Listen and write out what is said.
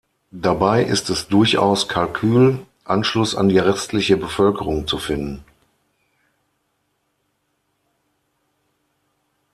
Dabei ist es durchaus Kalkül, Anschluss an die restliche Bevölkerung zu finden.